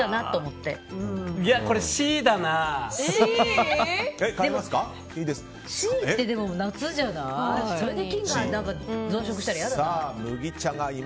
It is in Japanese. Ｃってでも、夏じゃない？